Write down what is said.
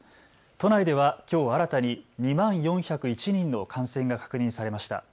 都内ではきょう新たに２万４０１人の感染が確認されました。